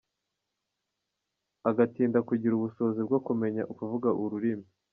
Agatinda kugira ubushobozi bwo kumenya kuvuga ururimi.